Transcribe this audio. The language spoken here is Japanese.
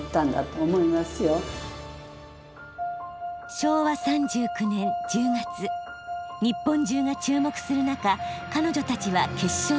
昭和３９年１０月日本中が注目する中彼女たちは決勝の舞台へ。